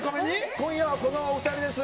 今夜はこのお２人です。